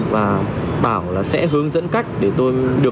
và bảo là sẽ hướng dẫn cách để tôi được minh hoan